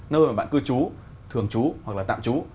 nơi mà bạn cư trú thường trú hoặc là tạm trú